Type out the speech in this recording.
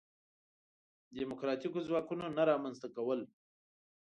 دیموکراتیکو ځواکونو نه رامنځته کول.